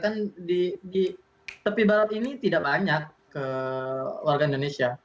bahkan di tepi barat ini tidak banyak warga indonesia